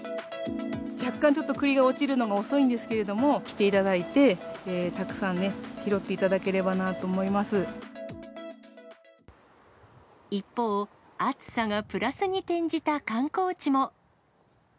若干ちょっと、くりが落ちるのが遅いんですけれども、来ていただいて、たくさんね、拾ってい一方、暑さがプラスに転じた観光地も。